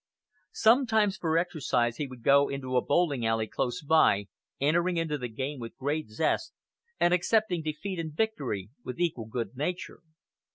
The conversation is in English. Sometimes for exercise he would go into a bowling alley close by, entering into the game with great zest, and accepting defeat and victory with equal good nature.